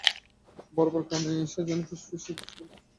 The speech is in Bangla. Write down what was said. বারবার কানের কাছে কে যেন ফিসফিসিয়ে কিছু বলত, কিন্তু ডাক্তাররা বলত না এসব!